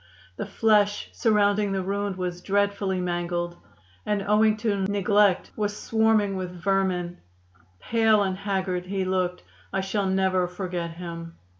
The flesh surrounding the wound was dreadfully mangled, and owing to neglect was swarming with vermin. Pale and haggard he looked. I shall never forget him.